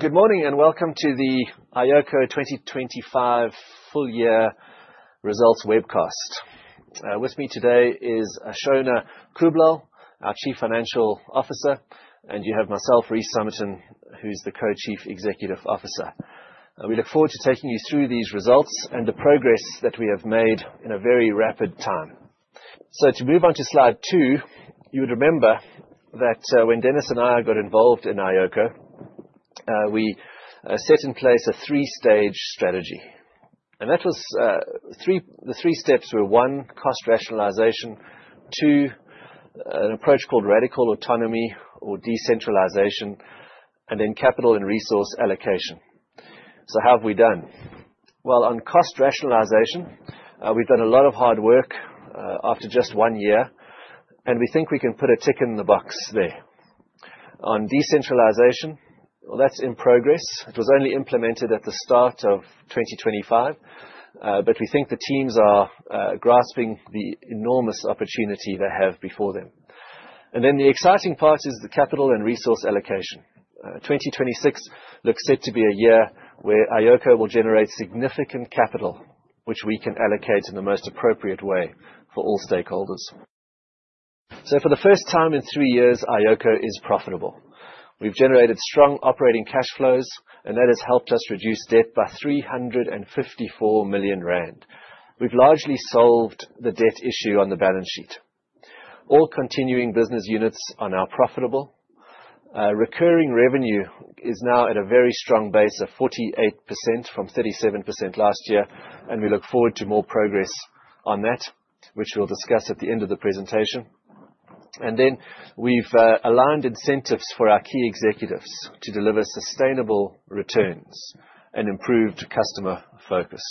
Good morning and welcome to the iOCO 2025 full year results webcast. With me today is Ashona Kooblall, our Chief Financial Officer, and you have myself, Rhys Summerton, who's the Co-Chief Executive Officer. We look forward to taking you through these results and the progress that we have made in a very rapid time. To move on to slide two, you would remember that, when Dennis and I got involved in iOCO, we set in place a three-stage strategy. That was, The three steps were, one, cost rationalization. Two, an approach called radical autonomy or decentralization, and then capital and resource allocation. How have we done? Well, on cost rationalization, we've done a lot of hard work, after just one year, and we think we can put a tick in the box there. On decentralization, well, that's in progress. It was only implemented at the start of 2025, but we think the teams are grasping the enormous opportunity they have before them. Then the exciting part is the capital and resource allocation. 2026 looks set to be a year where iOCO will generate significant capital, which we can allocate in the most appropriate way for all stakeholders. For the first time in three years, iOCO is profitable. We've generated strong operating cash flows, and that has helped us reduce debt by 354 million rand. We've largely solved the debt issue on the balance sheet. All continuing business units are now profitable. Recurring revenue is now at a very strong base of 48% from 37% last year, and we look forward to more progress on that, which we'll discuss at the end of the presentation. Then we've aligned incentives for our key executives to deliver sustainable returns and improved customer focus.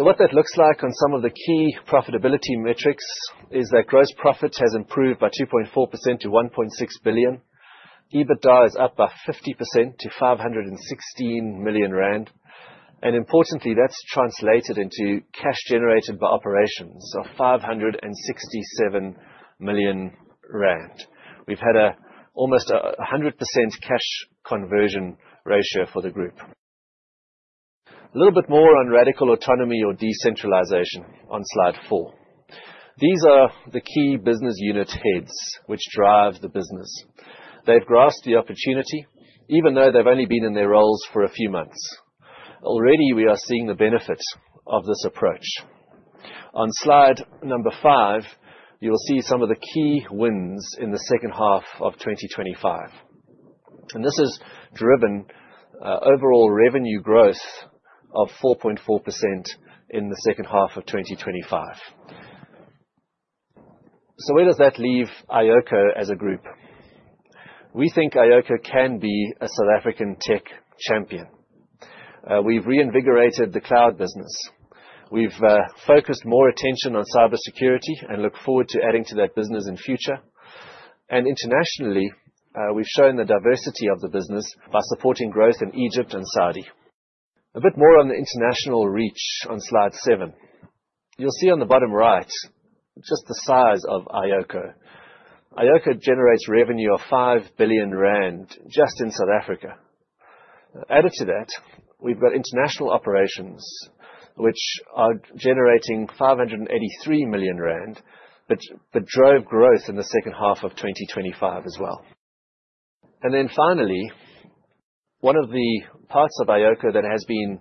What that looks like on some of the key profitability metrics is that gross profit has improved by 2.4% to 1.6 billion. EBITDA is up by 50% to 516 million rand. Importantly, that's translated into cash generated by operations of 567 million rand. We've had almost a 100% cash conversion ratio for the group. A little bit more on Radical Autonomy or decentralization on slide four. These are the key business unit heads which drive the business. They've grasped the opportunity, even though they've only been in their roles for a few months. Already, we are seeing the benefit of this approach. On slide number five, you will see some of the key wins in the second half of 2025. This has driven overall revenue growth of 4.4% in the second half of 2025. Where does that leave iOCO as a group? We think iOCO can be a South African tech champion. We've reinvigorated the cloud business. We've focused more attention on cybersecurity and look forward to adding to that business in future. Internationally, we've shown the diversity of the business by supporting growth in Egypt and Saudi. A bit more on the international reach on slide seven. You'll see on the bottom right just the size of iOCO. iOCO generates revenue of 5 billion rand just in South Africa. Added to that, we've got international operations which are generating 583 million rand, which drove growth in the second half of 2025 as well. Then finally, one of the parts of iOCO that has been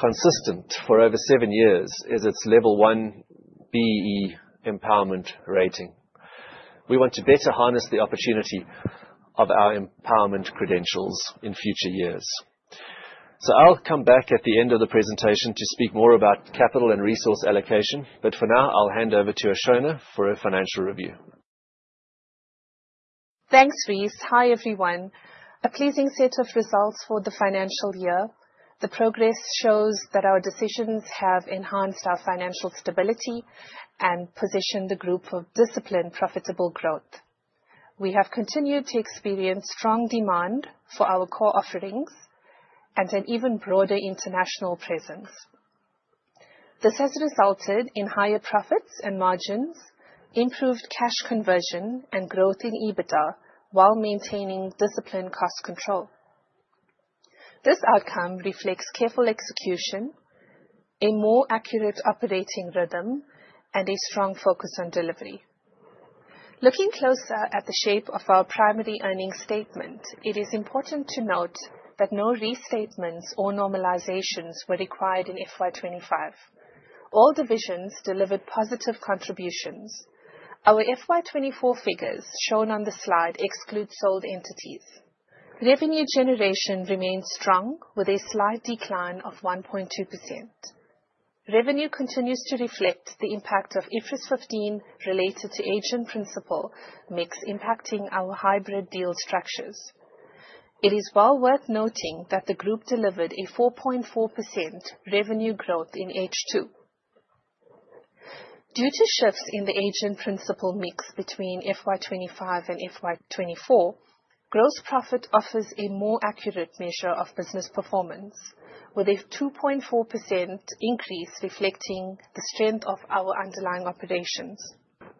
consistent for over seven years is its level one BEE empowerment rating. We want to better harness the opportunity of our empowerment credentials in future years. I'll come back at the end of the presentation to speak more about capital and resource allocation, but for now, I'll hand over to Ashona for a financial review. Thanks, Rhys. Hi, everyone. A pleasing set of results for the financial year. The progress shows that our decisions have enhanced our financial stability and positioned the group for disciplined, profitable growth. We have continued to experience strong demand for our core offerings and an even broader international presence. This has resulted in higher profits and margins, improved cash conversion, and growth in EBITDA while maintaining disciplined cost control. This outcome reflects careful execution, a more accurate operating rhythm, and a strong focus on delivery. Looking closer at the shape of our primary earnings statement, it is important to note that no restatements or normalizations were required in FY 2025. All divisions delivered positive contributions. Our FY 2024 figures, shown on the slide, exclude sold entities. Revenue generation remains strong with a slight decline of 1.2%. Revenue continues to reflect the impact of IFRS 15 related to agent principal mix impacting our hybrid deal structures. It is well worth noting that the group delivered a 4.4% revenue growth in H2. Due to shifts in the agent principal mix between FY 2025 and FY 2024, gross profit offers a more accurate measure of business performance, with a 2.4% increase reflecting the strength of our underlying operations.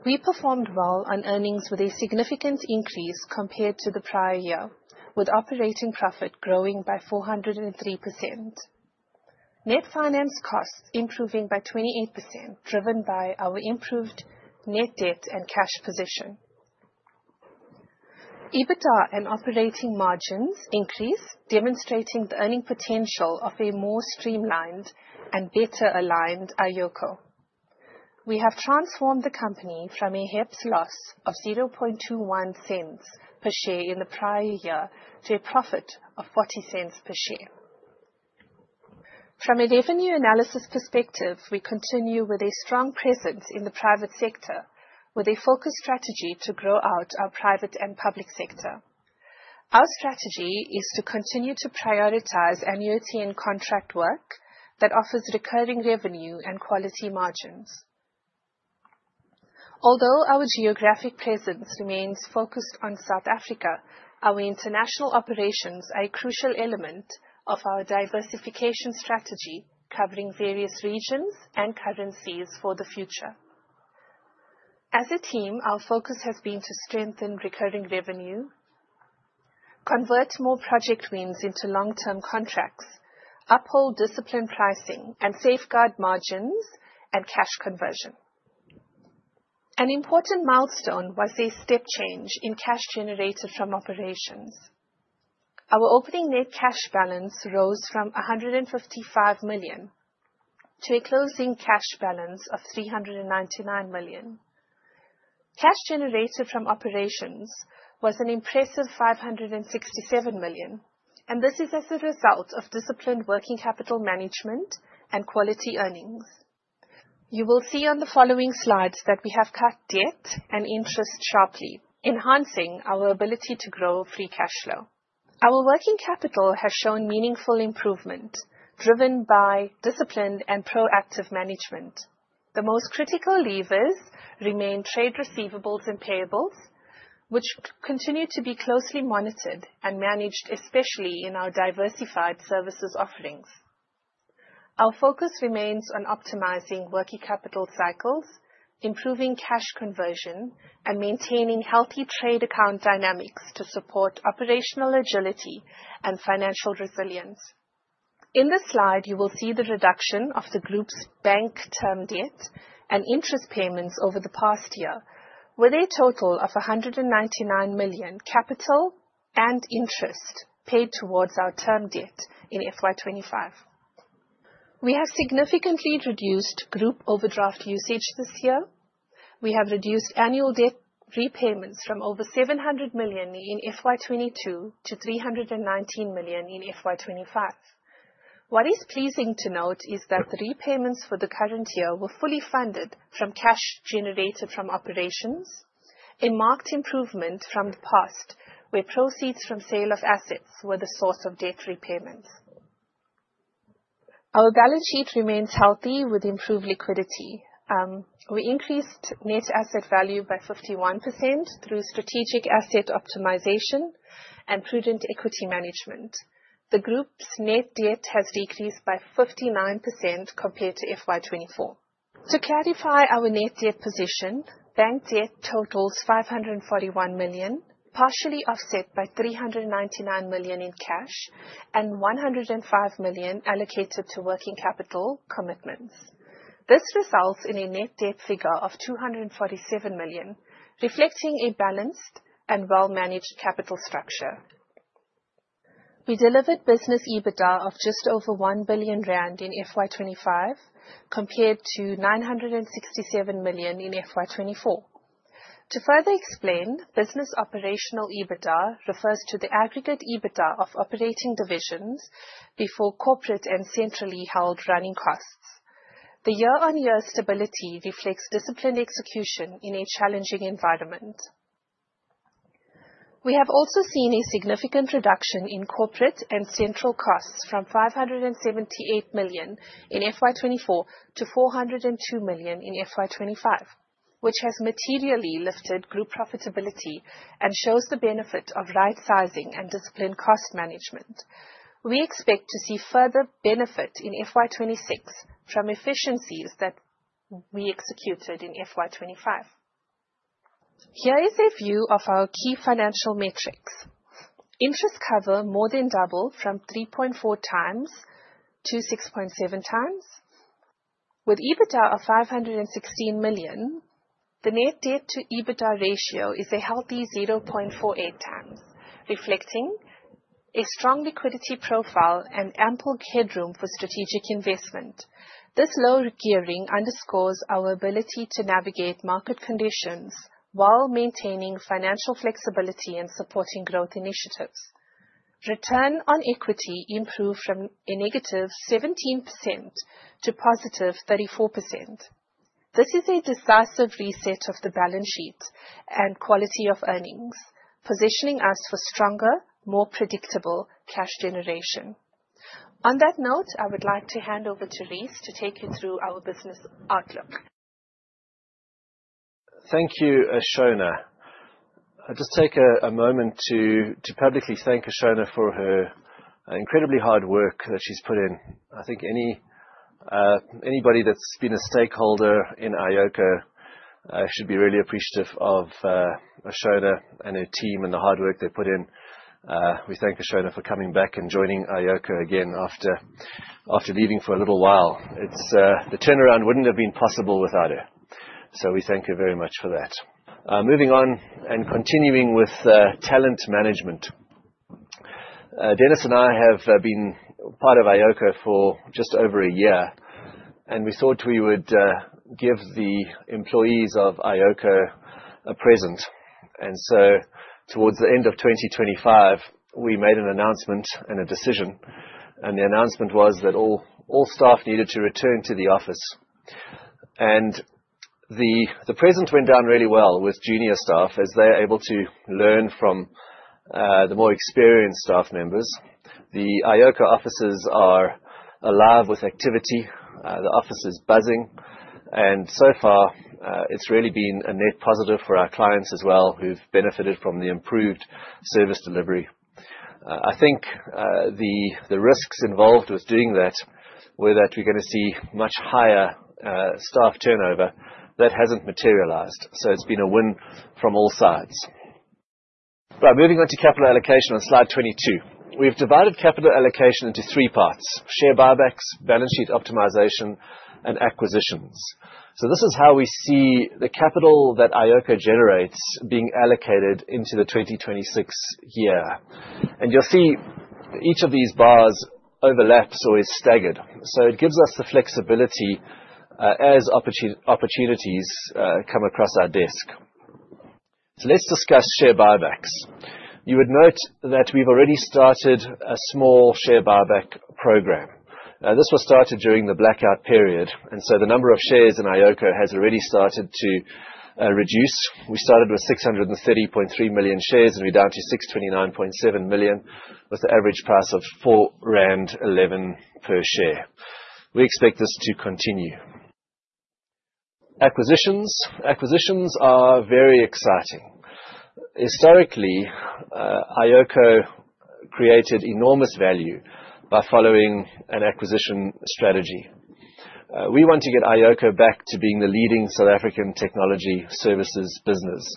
We performed well on earnings with a significant increase compared to the prior year, with operating profit growing by 403%, with net finance costs improving by 28% driven by our improved net debt and cash position. EBITDA and operating margins increased, demonstrating the earning potential of a more streamlined and better aligned iOCO. We have transformed the company from a HEPS loss of 0.0021 per share in the prior year to a profit of 0.40 per share. From a revenue analysis perspective, we continue with a strong presence in the private sector with a focused strategy to grow out our private and public sector. Our strategy is to continue to prioritize annuity and contract work that offers recurring revenue and quality margins. Although our geographic presence remains focused on South Africa, our international operations are a crucial element of our diversification strategy, covering various regions and currencies for the future. As a team, our focus has been to strengthen recurring revenue, convert more project wins into long-term contracts, uphold disciplined pricing, and safeguard margins and cash conversion. An important milestone was a step change in cash generated from operations. Our opening net cash balance rose from 155 million to a closing cash balance of 399 million. Cash generated from operations was an impressive 567 million, and this is as a result of disciplined working capital management and quality earnings. You will see on the following slides that we have cut debt and interest sharply, enhancing our ability to grow free cash flow. Our working capital has shown meaningful improvement driven by disciplined and proactive management. The most critical levers remain trade receivables and payables, which continue to be closely monitored and managed, especially in our diversified services offerings. Our focus remains on optimizing working capital cycles, improving cash conversion, and maintaining healthy trade account dynamics to support operational agility and financial resilience. In this slide you will see the reduction of the group's bank term debt and interest payments over the past year, with a total of 199 million capital and interest paid towards our term debt in FY 2025. We have significantly reduced group overdraft usage this year. We have reduced annual debt repayments from over 700 million in FY 2022 to 319 million in FY 2025. What is pleasing to note is that the repayments for the current year were fully funded from cash generated from operations. A marked improvement from the past, where proceeds from sale of assets were the source of debt repayments. Our balance sheet remains healthy with improved liquidity. We increased Net Asset Value by 51% through strategic asset optimization and prudent equity management. The group's net debt has decreased by 59% compared to FY 2024. To clarify our net debt position, bank debt totals 541 million, partially offset by 399 million in cash and 105 million allocated to working capital commitments. This results in a net debt figure of 247 million, reflecting a balanced and well-managed capital structure. We delivered business EBITDA of just over 1 billion rand in FY 2025 compared to 967 million in FY 2024. To further explain, business operational EBITDA refers to the aggregate EBITDA of operating divisions before corporate and centrally held running costs. The year-on-year stability reflects disciplined execution in a challenging environment. We have also seen a significant reduction in corporate and central costs from 578 million in FY 2024 to 402 million in FY 2025, which has materially lifted group profitability and shows the benefit of right sizing and disciplined cost management. We expect to see further benefit in FY 2026 from efficiencies that we executed in FY 2025. Here is a view of our key financial metrics. Interest Cover more than doubled from 3.4 to 6.7x with EBITDA of 516 million. The Net Debt to EBITDA ratio is a healthy 0.48 times, reflecting a strong liquidity profile and ample headroom for strategic investment. This low gearing underscores our ability to navigate market conditions while maintaining financial flexibility and supporting growth initiatives. Return on Equity improved from negative 17% to positive 34%. This is a decisive reset of the balance sheet and quality of earnings, positioning us for stronger, more predictable cash generation. On that note, I would like to hand over to Rhys to take you through our business outlook. Thank you, Ashona. I'll just take a moment to publicly thank Ashona for her incredibly hard work that she's put in. I think anybody that's been a stakeholder in iOCO should be really appreciative of Ashona and her team and the hard work they put in. We thank Ashona for coming back and joining iOCO again after leaving for a little while. The turnaround wouldn't have been possible without her. We thank her very much for that. Moving on and continuing with talent management. Dennis and I have been part of iOCO for just over a year, and we thought we would give the employees of iOCO a present. Towards the end of 2025, we made an announcement and a decision, and the announcement was that all staff needed to return to the office. The presence went down really well with junior staff as they're able to learn from the more experienced staff members. The iOCO offices are alive with activity, the office is buzzing. So far, it's really been a net positive for our clients as well, who've benefited from the improved service delivery. I think the risks involved with doing that were that we're gonna see much higher staff turnover. That hasn't materialized, so it's been a win from all sides. Right. Moving on to capital allocation on slide 22. We've divided capital allocation into three parts, share buybacks, balance sheet optimization, and acquisitions. This is how we see the capital that iOCO generates being allocated into the 2026 year. You'll see each of these bars overlaps or is staggered, so it gives us the flexibility, as opportunities come across our desk. Let's discuss share buybacks. You would note that we've already started a small share buyback program. This was started during the blackout period, and the number of shares in iOCO has already started to reduce. We started with 630.3 million shares, and we're down to 629.7 million with an average price of 4.11 rand per share. We expect this to continue. Acquisitions. Acquisitions are very exciting. Historically, iOCO created enormous value by following an acquisition strategy. We want to get iOCO back to being the leading South African technology services business.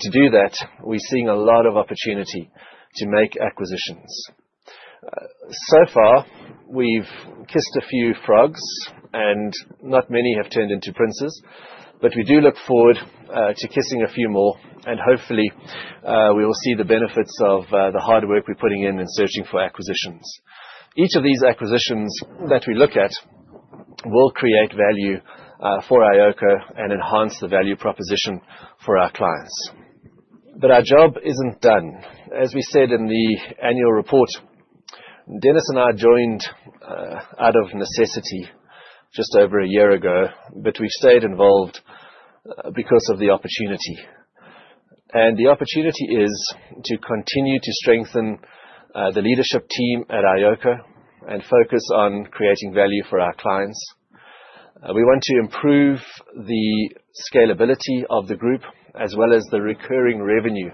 To do that, we're seeing a lot of opportunity to make acquisitions. So far, we've kissed a few frogs and not many have turned into princes. We do look forward to kissing a few more, and hopefully we will see the benefits of the hard work we're putting in in searching for acquisitions. Each of these acquisitions that we look at will create value for iOCO and enhance the value proposition for our clients. Our job isn't done. As we said in the annual report, Dennis and I joined out of necessity just over a year ago, but we stayed involved because of the opportunity. The opportunity is to continue to strengthen the leadership team at iOCO and focus on creating value for our clients. We want to improve the scalability of the group, as well as the recurring revenue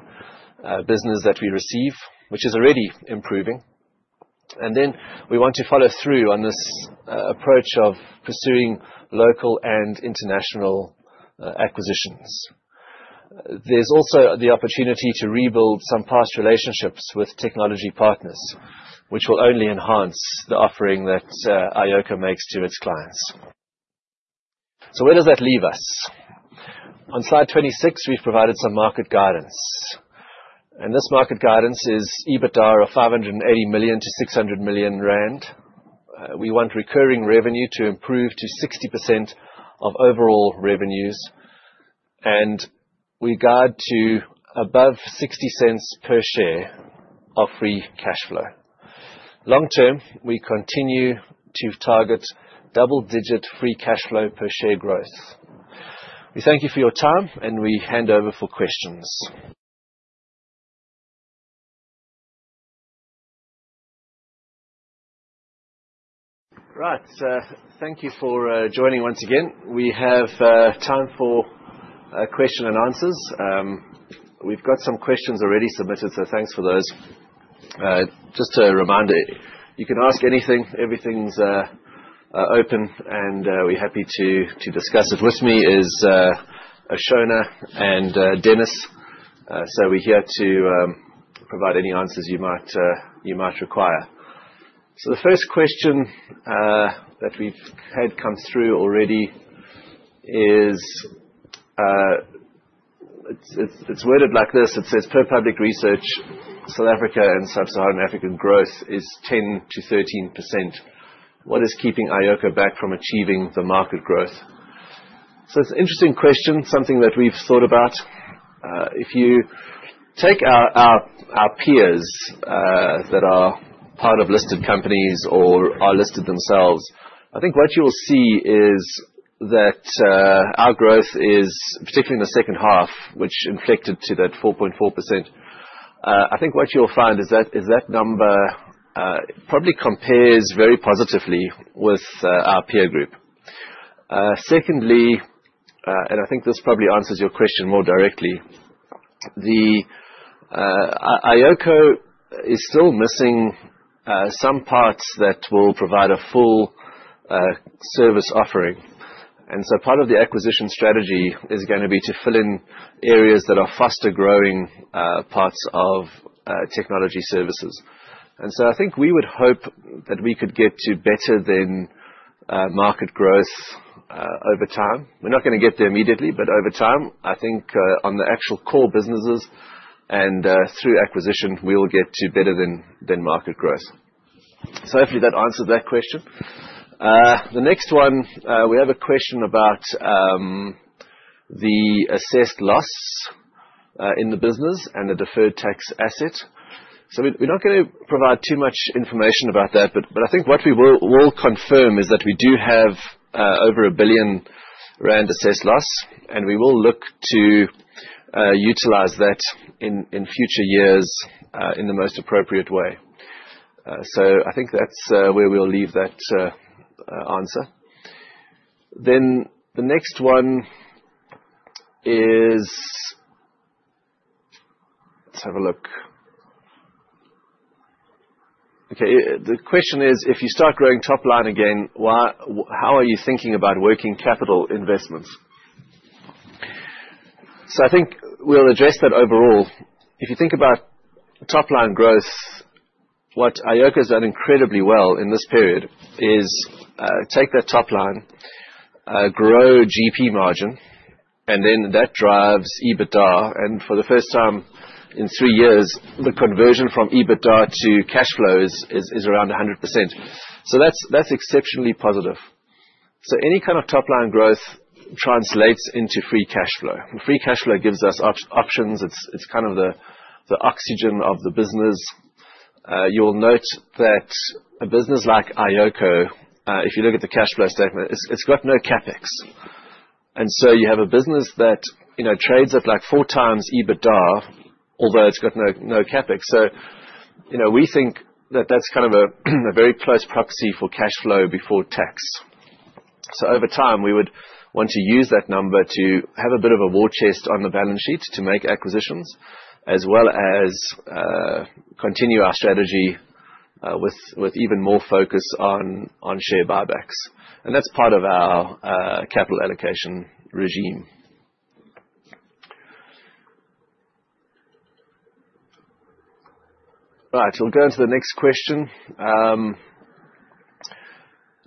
business that we receive, which is already improving. We want to follow through on this approach of pursuing local and international acquisitions. There's also the opportunity to rebuild some past relationships with technology partners, which will only enhance the offering that iOCO makes to its clients. Where does that leave us? On slide 26, we've provided some market guidance, and this market guidance is EBITDA of 580 million-600 million rand. We want recurring revenue to improve to 60% of overall revenues, and we guide to above 60 cents per share of free cash flow. Long term, we continue to target double-digit free cash flow per share growth. We thank you for your time, and we hand over for questions. Right. Thank you for joining once again. We have time for question and answers. We've got some questions already submitted, so thanks for those. Just a reminder, you can ask anything. Everything's open, and we're happy to discuss it. With me is Ashona and Dennis. We're here to provide any answers you might require. The first question that we've had come through already is, it's worded like this. It says, "Per public research, South Africa and Sub-Saharan African growth is 10%-13%. What is keeping iOCO back from achieving the market growth?" It's an interesting question, something that we've thought about. If you take our peers that are part of listed companies or are listed themselves, I think what you will see is that our growth is, particularly in the second half, which inflected to that 4.4%. I think what you'll find is that that number probably compares very positively with our peer group. Secondly, I think this probably answers your question more directly. iOCO is still missing some parts that will provide a full service offering. Part of the acquisition strategy is gonna be to fill in areas that are faster-growing parts of technology services. I think we would hope that we could get to better than market growth over time. We're not gonna get there immediately, but over time, I think on the actual core businesses and through acquisition, we will get to better than market growth. Hopefully that answered that question. The next one, we have a question about the assessed loss in the business and the deferred tax asset. We're not gonna provide too much information about that, but I think what we will confirm is that we do have over 1 billion rand assessed loss, and we will look to utilize that in future years in the most appropriate way. I think that's where we'll leave that answer. The next one is. Let's have a look. Okay. The question is, if you start growing top line again, why, how are you thinking about working capital investments? I think we'll address that overall. If you think about top-line growth, what iOCO has done incredibly well in this period is take that top line, grow GP margin, and then that drives EBITDA. For the first time in three years, the conversion from EBITDA to cash flow is around 100%. That's exceptionally positive. Any kind of top-line growth translates into free cash flow. Free cash flow gives us options. It's kind of the oxygen of the business. You'll note that a business like iOCO, if you look at the cash flow statement, it's got no CapEx. You have a business that, you know, trades at like 4x EBITDA, although it's got no CapEx. You know, we think that that's kind of a very close proxy for cash flow before tax. Over time, we would want to use that number to have a bit of a war chest on the balance sheet to make acquisitions, as well as continue our strategy with even more focus on share buybacks. That's part of our capital allocation regime. Right. We'll go into the next question.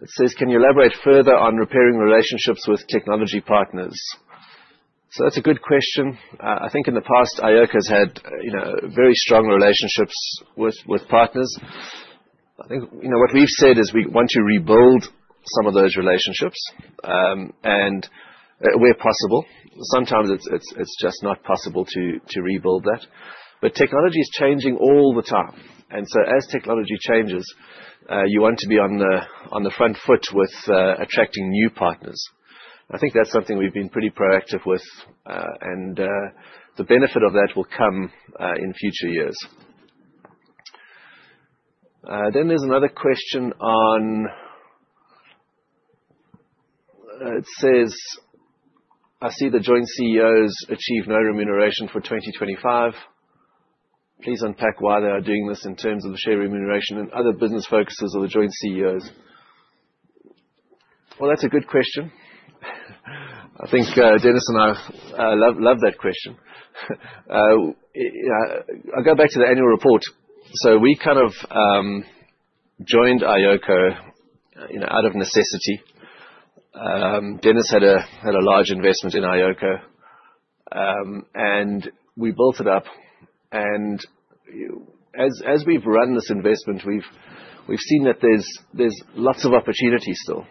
It says, "Can you elaborate further on repairing relationships with technology partners?" That's a good question. I think in the past, iOCO has had, you know, very strong relationships with partners. I think, you know, what we've said is we want to rebuild some of those relationships, and where possible. Sometimes it's just not possible to rebuild that. Technology is changing all the time, and so as technology changes, you want to be on the front foot with attracting new partners. I think that's something we've been pretty proactive with, and the benefit of that will come in future years. There's another question. It says, "I see the joint CEOs achieve no remuneration for 2025. Please unpack why they are doing this in terms of the share remuneration and other business focuses of the joint CEOs." Well, that's a good question. I think, Dennis and I, love that question. I'll go back to the annual report. We kind of joined iOCO, you know, out of necessity. Dennis had a large investment in iOCO, and we built it up. As we've run this investment, we've seen that there's lots of opportunities still.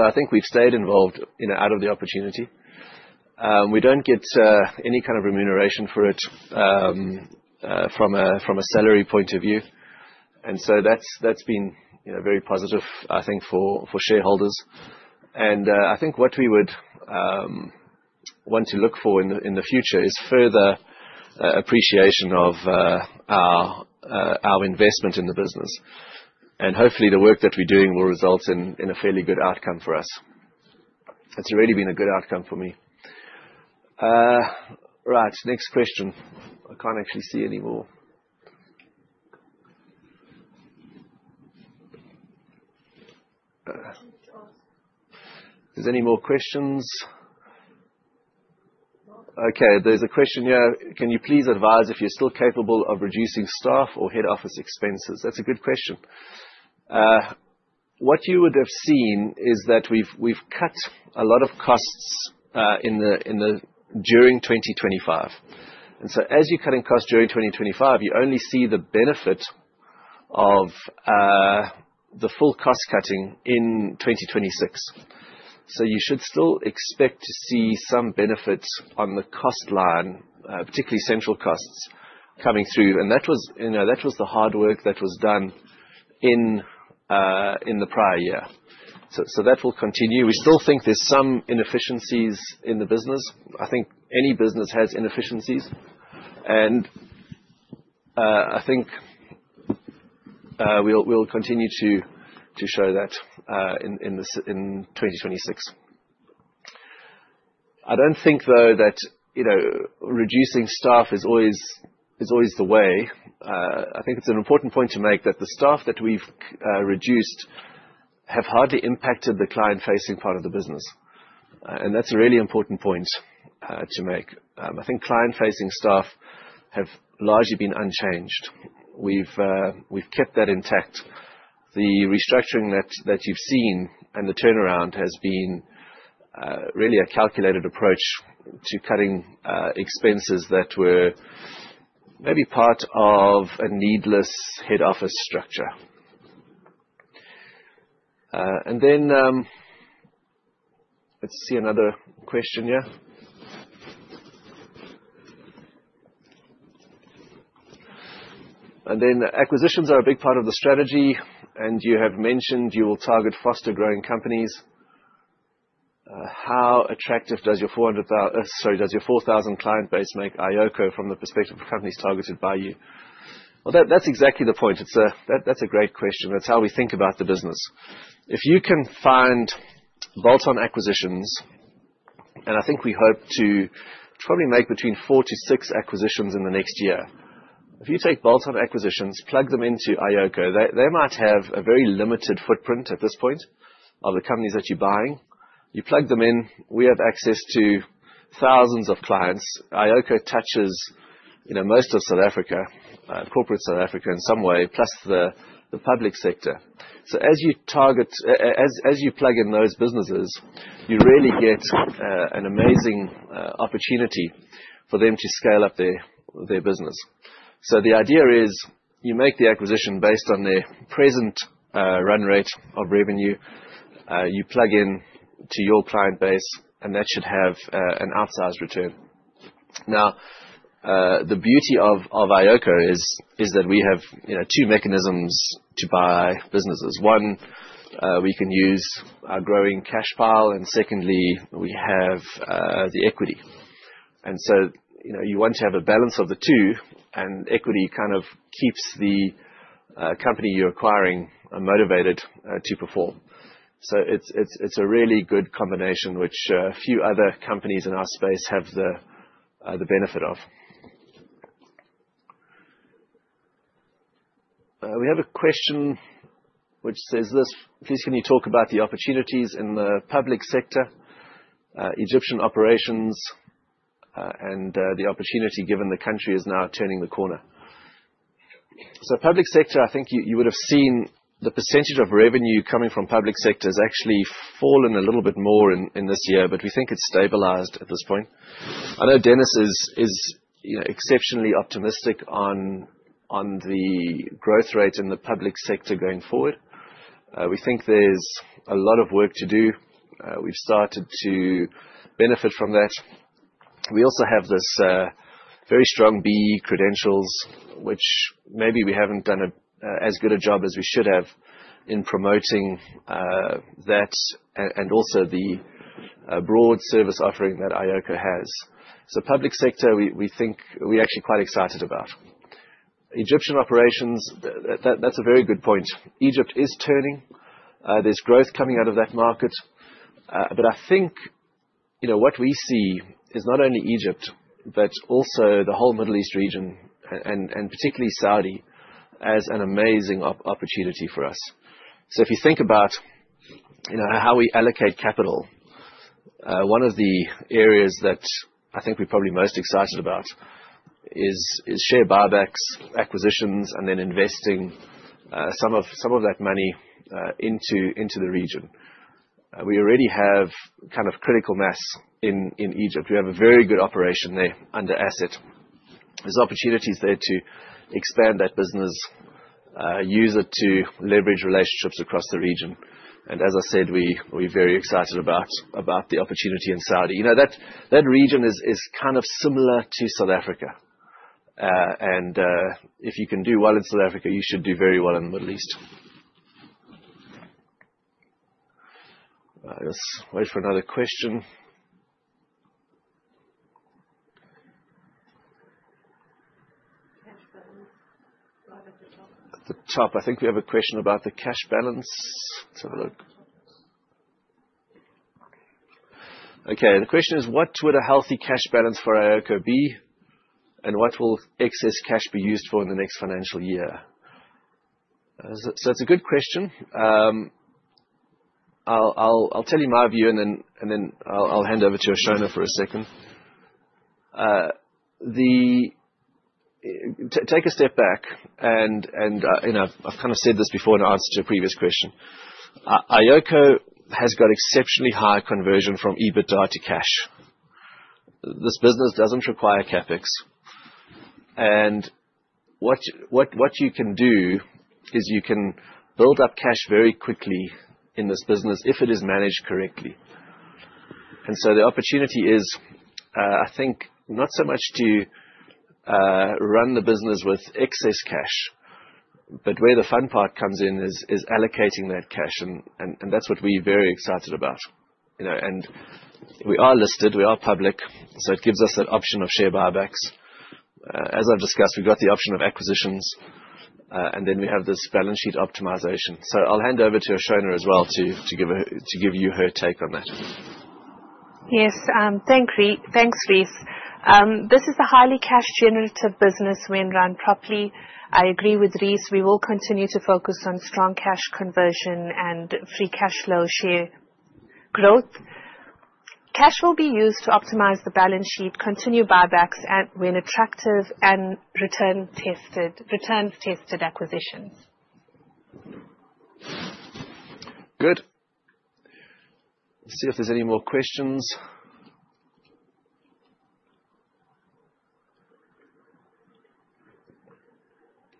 I think we've stayed involved, you know, out of the opportunity. We don't get any kind of remuneration for it from a salary point of view. That's been very positive, I think for shareholders. I think what we would want to look for in the future is further appreciation of our investment in the business. Hopefully the work that we're doing will result in a fairly good outcome for us. It's already been a good outcome for me. Right. Next question. I can't actually see any more. If there's any more questions. Okay. There's a question here. "Can you please advise if you're still capable of reducing staff or head office expenses?" That's a good question. What you would have seen is that we've cut a lot of costs during 2025. As you're cutting costs during 2025, you only see the benefit of the full cost-cutting in 2026. You should still expect to see some benefits on the cost line, particularly central costs coming through. That was the hard work that was done in the prior year. That will continue. We still think there's some inefficiencies in the business. I think any business has inefficiencies, and I think we'll continue to show that in 2026. I don't think though that reducing staff is always the way. I think it's an important point to make that the staff that we've reduced have hardly impacted the client-facing part of the business, and that's a really important point to make. I think client-facing staff have largely been unchanged. We've kept that intact. The restructuring that you've seen and the turnaround has been really a calculated approach to cutting expenses that were maybe part of a needless head office structure. Let's see another question here. Acquisitions are a big part of the strategy, and you have mentioned you will target faster-growing companies. How attractive does your 4,000 client base make iOCO from the perspective of companies targeted by you? Well, that's exactly the point. It's a great question. That's how we think about the business. If you can find bolt-on acquisitions, and I think we hope to probably make between four to six acquisitions in the next year. If you take bolt-on acquisitions, plug them into iOCO, they might have a very limited footprint at this point of the companies that you're buying. You plug them in, we have access to thousands of clients. iOCO touches, you know, most of South Africa, corporate South Africa in some way, plus the public sector. As you target. As you plug in those businesses, you really get an amazing opportunity for them to scale up their business. The idea is you make the acquisition based on their present run rate of revenue. You plug in to your client base, and that should have an outsized return. The beauty of iOCO is that we have, you know, two mechanisms to buy businesses. One, we can use our growing cash pile, and secondly, we have the equity. You know, you want to have a balance of the two, and equity kind of keeps the company you're acquiring motivated to perform. It's a really good combination which few other companies in our space have the benefit of. We have a question which says this: Please, can you talk about the opportunities in the public sector, Egyptian operations, and the opportunity given the country is now turning the corner. Public sector, I think you would have seen the percentage of revenue coming from public sector has actually fallen a little bit more in this year, but we think it's stabilized at this point. I know Dennis is you know, exceptionally optimistic on the growth rate in the public sector going forward. We think there's a lot of work to do. We've started to benefit from that. We also have this very strong BEE credentials, which maybe we haven't done a as good a job as we should have in promoting that and also the broad service offering that iOCO has. Public sector, we think we're actually quite excited about. Egyptian operations, that's a very good point. Egypt is turning. There's growth coming out of that market. But I think, you know, what we see is not only Egypt, but also the whole Middle East region and particularly Saudi as an amazing opportunity for us. If you think about, you know, how we allocate capital, one of the areas that I think we're probably most excited about is share buybacks, acquisitions, and then investing some of that money into the region. We already have kind of critical mass in Egypt. We have a very good operation there under Asset. There's opportunities there to expand that business, use it to leverage relationships across the region. As I said, we're very excited about the opportunity in Saudi. You know, that region is kind of similar to South Africa. If you can do well in South Africa, you should do very well in the Middle East. Let's wait for another question. Cash balance right at the top. At the top. I think we have a question about the cash balance. Let's have a look. Okay. The question is, What would a healthy cash balance for iOCO be, and what will excess cash be used for in the next financial year? It's a good question. I'll tell you my view and then I'll hand over to Ashona for a second. Take a step back and you know, I've kinda said this before in answer to a previous question. iOCO has got exceptionally high conversion from EBITDA to cash. This business doesn't require CapEx. What you can do is you can build up cash very quickly in this business if it is managed correctly. The opportunity is, I think, not so much to run the business with excess cash, but where the fun part comes in is allocating that cash and that's what we're very excited about, you know. We are listed, we are public, so it gives us that option of share buybacks. As I've discussed, we've got the option of acquisitions, and then we have this balance sheet optimization. I'll hand over to Ashona as well to give you her take on that. Yes. Thank Rhys. Thanks, Rhys. This is a highly cash generative business when run properly. I agree with Rhys. We will continue to focus on strong cash conversion and free cash flow share growth. Cash will be used to optimize the balance sheet, continue buybacks when attractive and returns-tested acquisitions. Good. Let's see if there's any more questions.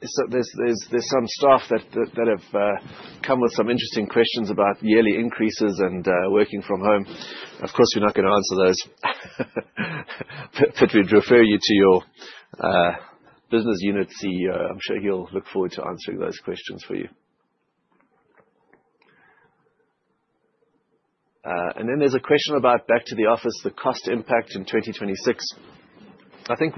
There's some staff that have come with some interesting questions about yearly increases and working from home. Of course, we're not gonna answer those. We'd refer you to your business unit CEO. I'm sure he'll look forward to answering those questions for you. There's a question about back to the office, the cost impact in 2026. I think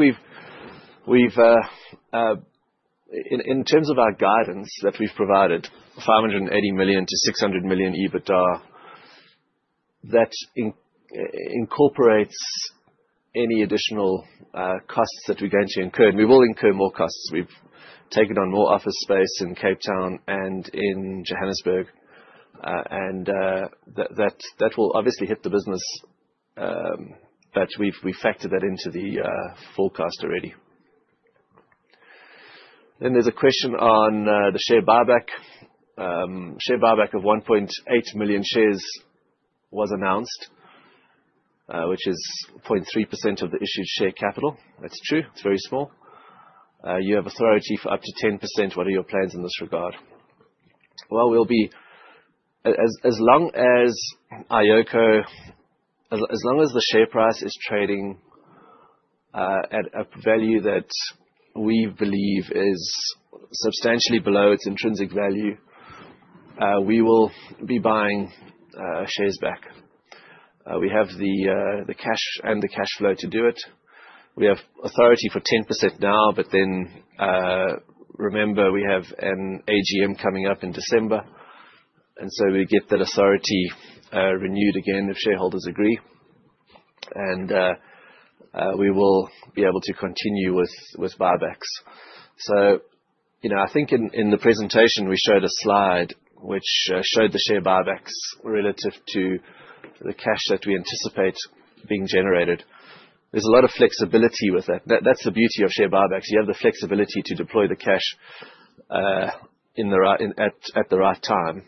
in terms of our guidance that we've provided, 580 million-600 million EBITDA, that incorporates any additional costs that we're going to incur. We will incur more costs. We've taken on more office space in Cape Town and in Johannesburg, and that will obviously hit the business, but we've factored that into the forecast already. There's a question on the share buyback. Share buyback of 1.8 million shares was announced, which is 0.3% of the issued share capital. That's true. It's very small. You have authority for up to 10%. What are your plans in this regard? As long as iOCO, as long as the share price is trading at a value that we believe is substantially below its intrinsic value, we will be buying shares back. We have the cash and the cash flow to do it. We have authority for 10% now, but then, remember we have an AGM coming up in December, and so we get that authority renewed again if shareholders agree. We will be able to continue with buybacks. You know, I think in the presentation, we showed a slide which showed the share buybacks relative to the cash that we anticipate being generated. There's a lot of flexibility with that. That's the beauty of share buybacks. You have the flexibility to deploy the cash at the right time,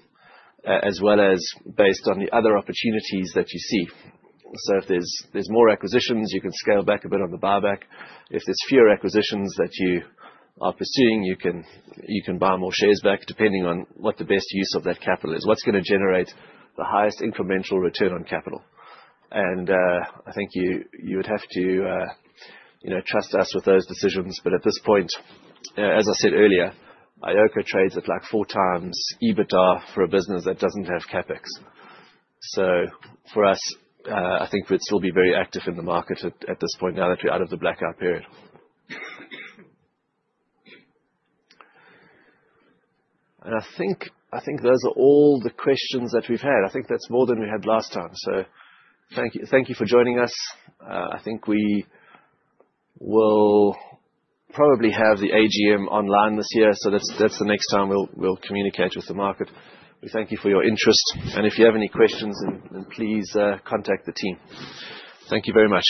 as well as based on the other opportunities that you see. If there's more acquisitions, you can scale back a bit on the buyback. If there's fewer acquisitions that you are pursuing, you can buy more shares back, depending on what the best use of that capital is, what's gonna generate the highest incremental return on capital. I think you would have to, you know, trust us with those decisions. At this point, as I said earlier, iOCO trades at like 4 times EBITDA for a business that doesn't have CapEx. For us, I think we'd still be very active in the market at this point now that we're out of the blackout period. I think those are all the questions that we've had. I think that's more than we had last time. Thank you for joining us. I think we will probably have the AGM online this year. That's the next time we'll communicate with the market. We thank you for your interest. If you have any questions then please contact the team. Thank you very much.